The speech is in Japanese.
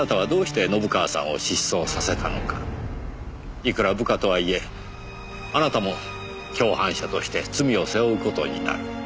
いくら部下とはいえあなたも共犯者として罪を背負う事になる。